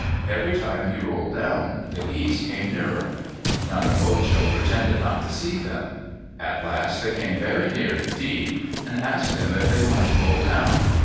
Every time he rolled down, the geese came nearer. Nanebojo pretended not to see them. At last they came very near indeed and asked him if they might roll down.